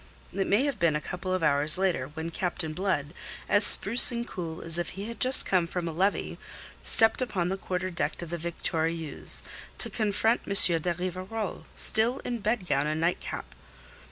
It may have been a couple of hours later, when Captain Blood, as spruce and cool as if he had just come from a levee, stepped upon the quarter deck of the Victoriense, to confront M. de Rivarol, still in bedgown and nightcap.